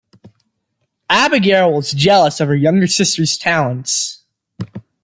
Abigail was jealous of her younger sister's talents.